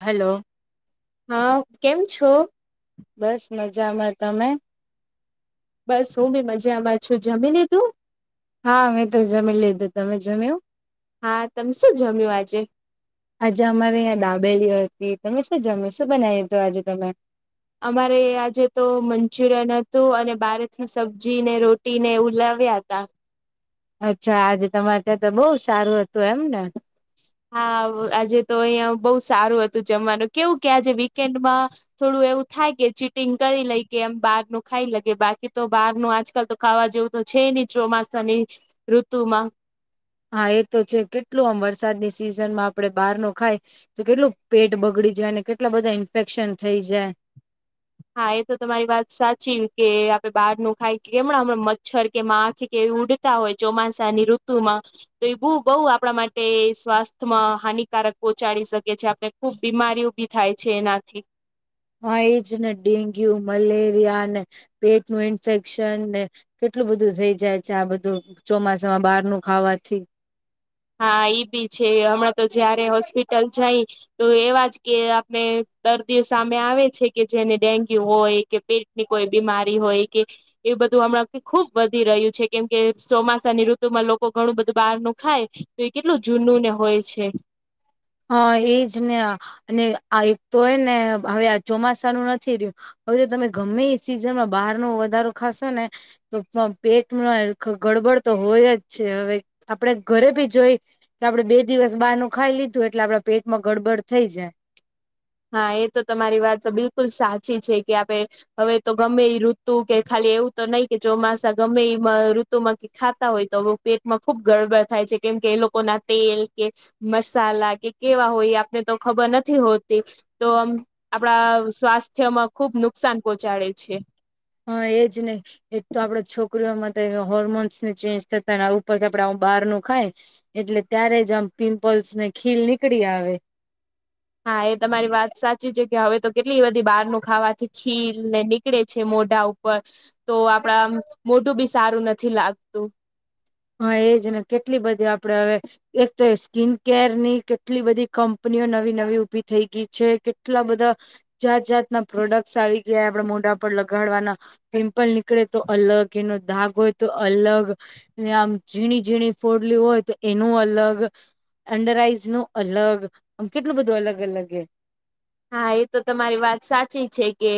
Hello. હા, કેમ છો? બસ મજામાં. તમે? બસ, હું બી મજામાં છું. જમી લીધું? હા, મે તો જમી લીધું. તમે જમ્યું? હા, તમ શું જમ્યું આજે? આજે અમારે અયાં દાબેલી હતી. તમે શું જમ્યું? શું બનાયું આજે તમે? અમારે આજે તો મંચુરિયન અતું અને બારે થી સબ્જી ને રોટી ને એવુ લાવ્યા અતા. અચ્છા, આજે તમારે ત્યાં તો બવઉ સારું અતું એમને. હા. આજે તો અહિયા બવઉ સારું અતું જમવાનું, કેવું કે આજે વીકેન્ડમાં થોડું એવું થાય કે ચીટિંગ કરી લઈ કે એમ બાર નું ખાઈ લગે બાકી તો બાર નું આજકાલ તો ખાવા જેવું તો છે ની ચોમાસાની ઋતુ માં હા એ તો છે કેટલું આમ વરસાદની સિઝન માં આપડે બહાર નો ખાય- - તો કેટલું પેટ બગડી જાય ને કેટલા બધા ઈન્ફેક્શન થઇ જાય. હા એ તો તમારી વાત સાચી કે આપડે બહાર નું ખાઈ કેમણાં હમણાં મચ્છર કે માખ કે ઉડ- - તા હોય ચોમાસાની ઋતુમાં તો એ બું બહુ આપણા માટે સ્વાસ્થ્યમાં હાનિકારક પહંચાડી શકે છે આપણે- - ખુબ બીમારી ઉભી થાય છે એનાથી- - હ એજ ને ડેન્ગ્યુ મલેરિયા ને પેટ નું ઇન્ફેક્શન ને કેટલું બધું થઇ જાય છે આ બધું ચોમાસામાં બહાર નું ખાવાથી. હા એઈ બી છે હમણાં તો જયારે હોસ્પિટલ જાય તો એવા જ કે આપણે દર્દીઓ સામે આવે છે કે જેને ડેન્ગ્યુ હોય કે પેટ- - ની કોઈ બીમારી હોય કે- - એવું બધું હમણાં ખુબ વધી રહ્યું છે કેમ કે ચોમાસાની લોકો ઘણું બધું બહારનું ખાય તો એ કેટલું જૂનું ને હોય છે હા એજ ને અને આ એક તો એ ને હવે આ ચોમાસાનું નથી રહ્યું હવે જો તમે ગમે એ સિઝનમાં બહાર નો વધારો ખાશો ને- - તો પેટમાં ગડબડ તો હોય છે હવે આપડ બી જોઈ કે આપડે બે દિવસ બહાર નું ખાઈ લીધું એટલે આપડા પેટમાં ગડબડ થઈ જાય. હા એ તો તમારી વાત તો બિલકુલ સાચી છે કે આપે- - હવે તો ગમે એ ઋતુ કે ખાલી એવું તો નહી કે ચોમાસા ગમે એ ઋતુમાં ખાતા હોય તો પેટમાં ખુબ ગડબડ થાય છે કેમ કે એ લોકો ના તેલ કે- - મસાલા કે કેવા હોય આપને તો ખબર નથી હોત આપડા સ્વાસ્થ્યમાં ખુબ નુકસાન પહોંચાડે છે. હા એજ ને એક તો આપડે છોકરીઓમાં તો હોર્મોન્સ ને ચેન્જ થતા ઉપરથી આપડે આવું બહાર નું ખાય એટલે ત્યારે જ આમ પિમ્પલ્સ ને ખીલ નીકળી આવે- - હા એ તમારી વાત સાચી છે કે હવે તો કેટલી બધી બહાર નું ખાવાથી ખીલ નેની- - નીકળે છે મોઢા ઉપર તો આપડા મોઢું બી સારું નથી લાગતું હા એજ ને કેટલી બધી આપડે હવે એક તો એ સ્કીિન કેર ની કેટલી બધી કંપનીઓ નવી નવી ઉઊભી થઈ ગઈ છે કેટલા બધા- - જાત જાતના આવી આપડા મોઢા પર લગાડવાના- - પિમ્પલ નીકળે તો એનો દાગ હોય તો અલગ- - અને આમ ઝીણી ઝીણી ફોડલી હોય તો એનું અલગ- - અંડર આઈઝ નું અલગ આમ કેટલું બધું અલગ અલગ હ હા એ તો તમારી વાત સાચી છે કે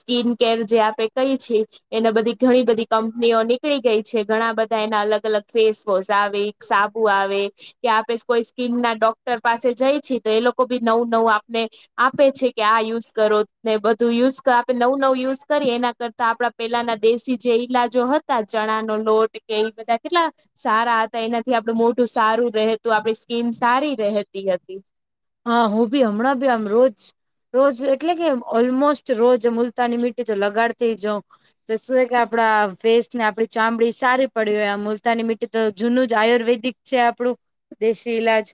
સ્કીિન કેર જે આપે કઈ છીએ એના બધી ઘણી બધી કંપનીઓ નીકળી ગઈ છે ઘણા બધા એના અલગ અલગ ફેસ વોશ આવી- - સાબુ આવે કે આપે કોઈ સ્કીિન ના ડોક્ટર પાસે જાય છી તો એ લોકો બી નવું-નવું આપને- - આપે છે કે આ યુઝ કરો ને બધું યુઝ આપણે નવું નવું યુઝ કરીએ એના કરતા આપડા પેલાના દેશી જે ઈલાજો હતો તા ચણા નો લોટ કે એ બધા કેટલા સારા હતા એનાથી આપડું મોટું સારું રહેતું આપડી સ્કીિન સારી રતી હતી હા હું ભી હમણાં બી આમ રોજ રોજ એટલે કે ઓલમોસ્ટ રોજ મુલતાની મીી તો લગાડ થ જઉ તો શું કે આપડા ફેસ ને આપડી ચામડી સારી પડી હોય આ મુલતાની મીટી તો જૂનું જ આયુર્વેદિક છે આપણું દેશી ઈલાજ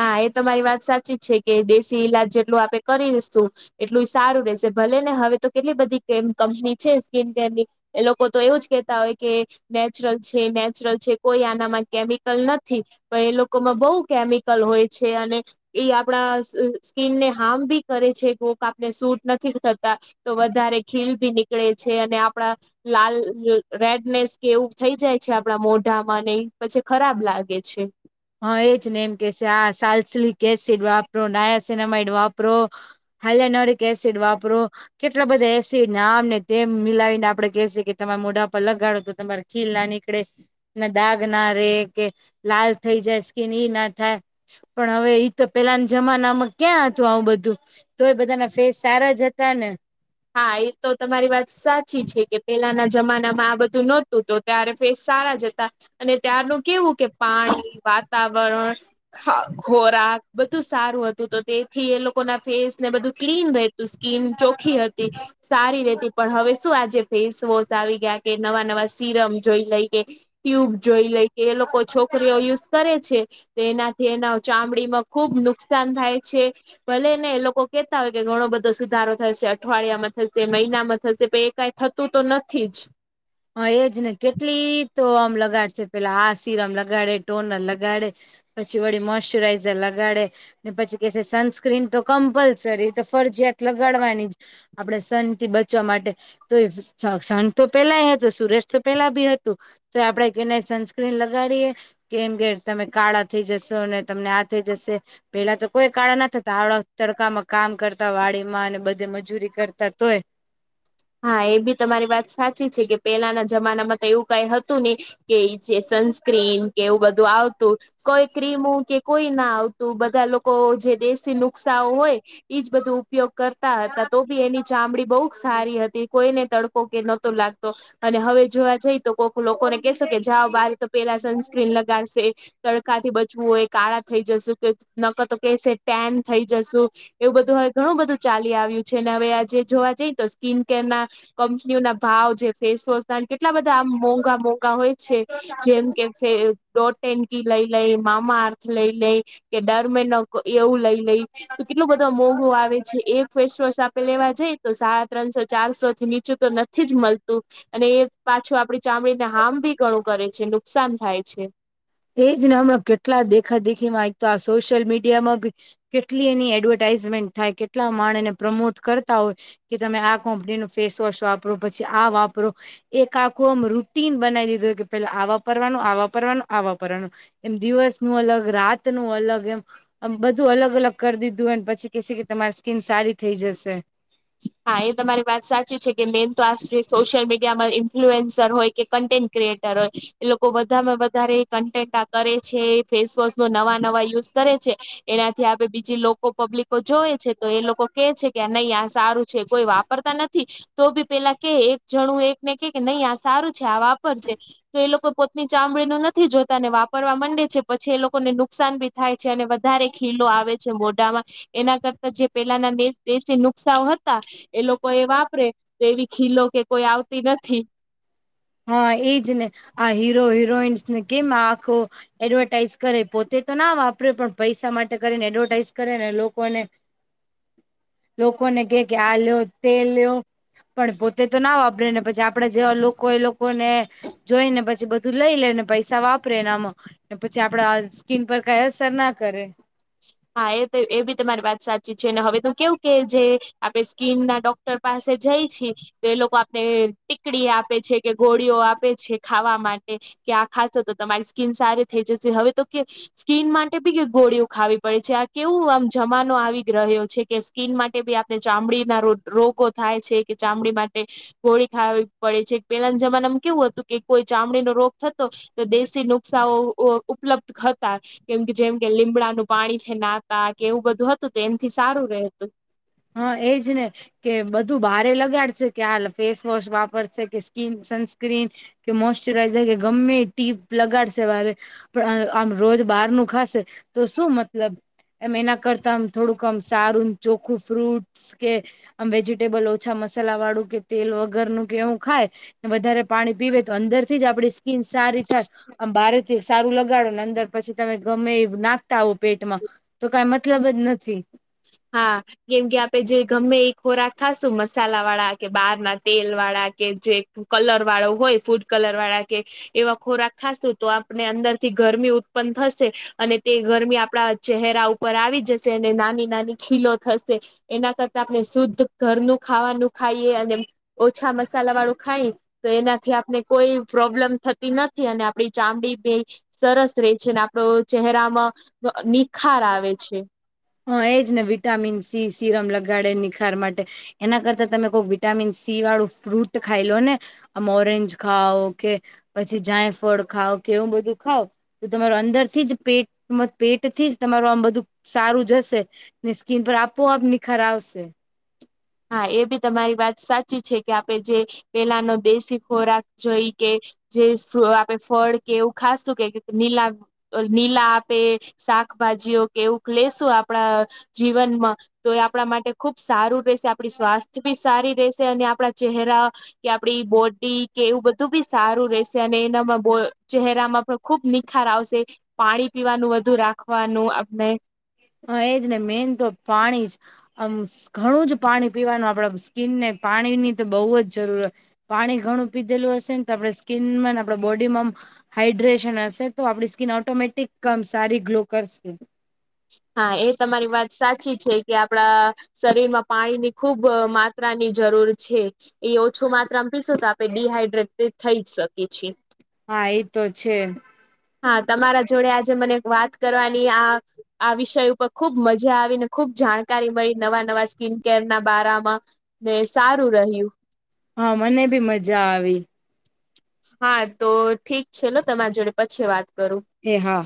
હા એ તો તમારી વાત સાચી જ છે. કે દેશી ઈલાજ જેટલું આપડે કરીશું, એટલું સારું રશે ભલે ને હવે તો કેટલી બધી કંપની છે સ્કીિન કેરની, એ લોકો તો એવું જ કેહેતા કે નેચરલ છે, નેચરલ છે, કોઈ આનામાં કેમી અકલ નથી, પણ એ લોકોમાં બહુ કેમિકલ હોય છે અને, એ આપણા સ્કીનને હાર્મ બી કરે છે, કોક આપને સૂટ નથી થતા, તો વધારે ખીલ ભી નીકળે છે. અને આપડા, લાલ રેડનેસ કે એવું થઈ જાય છે આપડા મોઢામાં ઈ પછી ખરાબ લાગે છે. હા એજ ને એમ કે છે આ સાલ્સલિક એસિડ વાપરો નાયા સિનામાઈડ વાપરો, હલ્નારે એક એસીડ વાપરો કેટલા એસિડને આમ ને તેમ મિલાવીને આપડે કેહેસી કે તમામે મોઢા પર લગાડો તમારે, ખીલ ના નીકળે દાગ ના રે કે લાલ, થઈ જાય સ્કિન કે એ ના થાય પણ ઈ તો પેલાના જમાનામાં ક્યાં હતું આવું બધું, તો એ બધાના ફેસ સારા જ હતા ને, હા એ તો તમારી વાત સાચી છે, કે પેલાના જમાનામાં આ બધું નહોતું તો, ત્યારે ફેસ સારા જતા અને ત્યારનું કેવું, કે પાણી, વાતાવરણ, ખોરાક, બધું સારું હતું તો તેથી એ લોકોના ફેસને બધું ક્લીન રહેતું સ્કીન ચોખ્ખી હતી, એ [inaudible] સારી રેતી પણ, હવે શું આજે ફેસ વોશ આવી ગયા કે નવા નવા સિરમ જોઈ લઈ કે, ટ્યુબ જોઈ લે કે એ લોકો છોકરીઓ યુઝ કરે છે. તો એનાથી એના ચામડીમાં ખુબ નુકસાન થાય છે. ભલે ને એ લોકો કેતા હોય કે ઘણો બધો સુધારો થશે, અઠવાડિયામાં થશે મહિનામાં થશે, પણ એ કઈ થતું તો નથી જ. હા એજ ને કેટલી તો આમ લગાડશે પેલા આ સીરમ લગાડે ટોનર લગાડે પછી વળી મોશ્ચરાઈઝર લગાડે, ને પછી કે છે સનસ્ક્રીન તો કમ્પલસરી તો ફરજીયાત લગાડવાની જ, આપડે સન થી બચવા માટે તો સન તો પેલા હતા સુરજ તો પેલા બી હતું તો આપડે કને સનસ્ક્રીન લગાડીએ, કેમ કે તમે કાળા થઈ જશો અને તમને આ થઈ જશે, પેલા તો કોઈ કાળા ના થતા આવડા તડકામાં કામ કરતા વાડીમાં અને બધ મજૂરી કરતા તોય, હા એ બી તમારી વાત સાચી છે, કે પેલાના જમાનામાં તો એવું કઈ હતું નહી. કે જે સનસ્ક્રીન કે એવું બધું આવતું, કોઈ ક્રીમ કે કોઈ ના આવતું બધા લોકો જે દેશી નુ, નુષ્કા હોય જ બધું ઉપયોગ કરતા હતા તો બી એની ચામડી બહુ જ સારી હતી, કોઈને તડકો કે નતો લાગતો, તો અને હવે જોવા જઈ તો કોક લોકોને કેહેસો કે જાઓ બાર તો પેલા સનસ્ક્રીન લગાડશે, તડકાથી બચવું હોય કાળા થઈ જશું, નકર તો કેસે ટેન થઈ જસુ એવું બધું હવે ઘણું બધું ચાલી આવ્યું. છેને હવે આજે જોવા જઈએ તો સ્કીિન કેરના કંપનીઓના ભાવ જે ફેસવોશ, કેટલા બધા આ મોંઘા મોંઘા હોય છે જેમ કે [inaudible] કી લઈ લઈ મામા અર્થ લઈ લઈ કે ડર મે [unintelligible] ન એવું લઈ લઈ તો કેટલું બધા મોઘો આવે છે એક ફેસવોશ આપડે લેવા જઈ તો સાડા ત્રણસો, ચારસો થી નીચું તો નથી જ મળતું, અને એ પાછું આપડી ચામડીને હાર્મ ભી ઘણું કરે છે નુકસાન થાય છે. એજ ને હમણાં કેટલા દેખા દેખીમાં તો આ સોશિયલ મીડિયામાં બી, કેટલી એની એડવર્ટાઈઝમેન્ટ થાય કેટલા માણ એને પ્રમોટ કરતા હોય કે તમે આ કોમ્પનીનું ફેસવોશ વાપરો પછી આ વાપરો. એક આખું આમ રૂટીન બનાવી દીધું કે પેલા આ વાપરવાનું આ વાપરવાનું. આ વાપરવાનું એમ દિવસનું અલગ રાતનું અલગ એમ આમ બધું અલગ-અલગ કર દીધું હોયને પછી કેશે કે તમારી સ્કિન સારી થઇ જશે. હા એ તમારી વાત સાચી છે કે મેન તો આ સોશિયલ મીડિયામાં ઇન્ફ્લુએન્સર હોય કે કન્ટેન્ટ ક્રિએટર હોય એ લોકો બધામાં વધારે કન્ટેન્ટ કરે છે ફેસવોશનો નવા નવા યુઝ કરે છે એનાથી આપે બીજી લો કો પબ્લિકો જોવે છે તો એ લોકો કે છે કે આ નહી આ સા રું કોઈ વાપરતા નથી તો બી પેલા કે એક જણું એકને કે કે નઈ આ સારું છે આ વાપરશે તો એ લોકો પોતની ચામડીનું નથી જોતા ને વા પરવા મંડે છે પછી એ લોકોને નુકસાન બી થાય છે અને વધારે ખીલો આવે છે મોઢામાં એના કરતા જે પેલાના દેશી નુ કસા હતા એ લોકો એ વાપરે તો એવી ખીલો કે કોઈ આવતી નથી. હા એજ ને આ હીરો હિરોઈન્સ ને કેમ આખો એડવર્ટાઇઝ કરે પોતે તો ના વાપરે પણ પૈસા માટે કરીને એડવર્ટાઈઝ કરે ને લોકોને. [inaudible] લોકોને કે કે આ લ્યો તે લ્યો. પણ પોતે તો ના વાપરે ને પછી આપડે જેવા લોક લો કોને જોઈને પછી બધું લઈ લેને પૈસા વાપરે ને આમાં ને પછી આપડા સ્કીન પર કાઈ અસર ના કરે. હા એ તો એ બી તમારી વાત સાચી છે અને હવે તો કેવું કે જે આપણે સ્કીનના ડો ક્ટર પાસે જાઈ છી તો એ લોકો આપને ટીકડી આપે છે કે ગો ળીઓ આપે છે ખાવા માટે કે આ ખાશો તો તમારી સ્કીન સારી થઈ જશે હવે તો કે સ્કીન માટે બી કે ગોળીઓ ખાવી પડે છે આ કેવું આમ જમાનો આવી રહ્યો છે કે સ્કીન માટે બી આપણે ચામડીના રોગ. રોગો થાય છે કે ચામડી માટે. ગોળી ખાવી પડે છે કે પેલાના જમાનામાં કેવું હતું કે કોઈ ચામડીનો રોગ થતો તો દેશી નુકશાઓ ઉ-ઉપલબ્ધ હતા કેમ કે જેમ કે લીમડાનું પાણીથી નાતા કે એવું બધું હતું તો એનથી સારું રહેતું. હા એજ ને. કે બધું બારે લગાડશે કે હાલ ફેસવોશ વાપરશે કે સ્કીન સનસ્ક્રીન. કે મોશચરાઈઝર કે ગમ્મે ટીપ લગાડશે બારે. પણ આમ રોજ બહારનું ખાશે તો શું મતલબ. એમ એના કરતા આમ થોડુંક આમ સારું ચોખ્ખું ફ્રૂટસ કે આમ વેજીટેબલ ઓછા મસાલા વાળું કે તેલ વગરનું કે એવું ખાય. વધારે પાણી પીવે તો અંદરથી જ આપડી સ્કીન સારી થાય આમ બારે સારું લગાડો ન અંદર પછી તમે ગમે એ નાખતા હો પેટમાં. તો કાઈ મતલબ જ નથી. હા. કેમ કે આપે જે ગમ્મે ઈ ખોરાક ખાશું મસાલા વાળા કે બહારના તેલ વાળા કે જે કલર વાળો હોય ફૂડ કલર વાળા કે એવા ખોરાક ખાશું તો આપને અંદરથી ગરમી ઉત્પન્ન થશે. અને તે ગરમી આપડા ચહેરા ઉપર આવી જશે અને નાની નાની ખીલો થશે એના કરતા આપણે શુદ્ધ ઘરનું ખાવાનું ખાઈએ અને ઓછા મસાલા વાળું ખાય, તો એનાથી આપને કોઈ પ્રોબ્લમ થ તી નથી, અને આપડી ચામડી બેય સરસ રે છેને, આપડો ચહેરામાં નિખાર આવે છે. હા એજને વિટામિન સી સીરમ લગાડે નિખાર માટે એના કરતા તમે કોક વિટામિન સી વાળું ફ્રૂટ ખાઈ લો ને. આમ ઓરેન્જ ખાઓકે, પછી જાયફળ ખાઓ કેવું બધું ખાવ તો તમારો અંદર થી જ પેટ મ પેટથી જ તમારું આમ બધું સારું જશે, ને સ્કીન પર આપોઆપ નિખર આવશે. હા એ બી તમારી વાત સાચી છે, કે આપે જે પેલાનો દેશી ખોરાક જોઈકે જે ફ્લો આપે આપડે ફળ કે એવું ખાશુ કે નીલા નીલા આપે શાકભાજીઓ કે એવું લેશું આપડા જીવનમાં, તો એ આપણા માટે ખુબ સારું રહેશે. આ આપડી સ્વાસ્થ્ય બી સારી રહેશે, અને આપણા ચહેરા કે આપડી બોડી કે એવું બધું બી સારું રેશે, અને એનામાં બો ચહેરામાં પણ ખુબ ની ખાર આવશે, પાણી પીવાનું વધુ રાખવાનું આપને હ એજને, મેન તો પાણી જ આમ ઘણુંજ પાણી પીવાનું, આપડ સ્કીનને પાણી ની તો બઉ જ જરૂરત પાણી ઘણું પીધેલું હશે ને તો આપડે સ્કીનમાં ને આપડે બોડીમાં આમ હાડ્રેશન હશે તો આપડી સ્કીન ઓટોમેટિક આમ સારી ગ્લો કરશે. હા એ તમારી વાત સાચી છે, કે આપડા શરીર માં પાણીની ખુબ માત્રાની જરૂર છે. એ ઓછું માત્રામાં પીસું, તો આપડે ડીહાઈડ્રેટે થઈ જ શકીએ છીએ. હા એતો છે. હા તમારા જોડે આજે મને વાત કરવાની આ આ વિષય ઉપર ખુબ મજા આવી, ને ખુબ જાણકારી મળી, નવા નવા સ્કીિન કેર ના બારામાં. ને સારું રહ્યું. હા મને બી મજા આવી. હા ઠીક છેને, તમારા જોડે પછી વાત કરું. એ હા